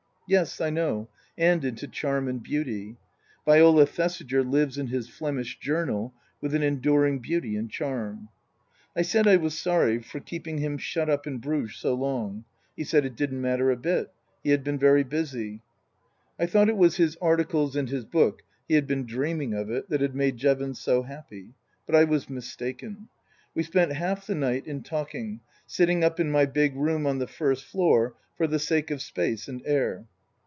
Yes, I know, and into charm and beauty. Viola Thesiger lives in his " Flemish Journal " with an enduring beauty and charm. I said I was sorry for keeping him shut up in Bruges so long. He said it didn't matter a bit. He had been very busy. I thought it was his articles and his book (he had been dreaming of it) that had made Jevons so happy. But I was mistaken. We spent half the night in talking, sitting up in my big room on the first floor for the sake of space and air.